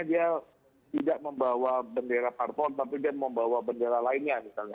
dia tidak membawa bendera parpol tapi dia membawa bendera lainnya misalnya